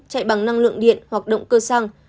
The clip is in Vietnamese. chạy bằng năng lượng điện hoạt động cơ xăng